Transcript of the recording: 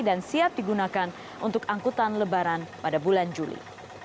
dan siap digunakan untuk angkutan lebaran pada bulan juli